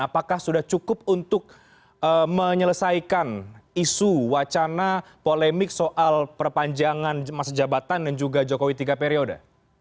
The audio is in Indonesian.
apakah sudah cukup untuk menyelesaikan isu wacana polemik soal perpanjangan masa jabatan dan juga jokowi tiga periode